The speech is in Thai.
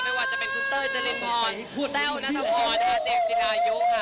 ไม่ว่าจะเป็นคุณเต้อจรินพรแต้วนัทธพรเจฟจินายุคค่ะ